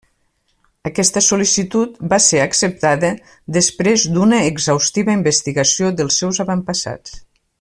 Aquesta sol·licitud va ser acceptada després d'una exhaustiva investigació dels seus avantpassats.